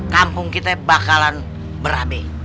kampung kita bakalan berabe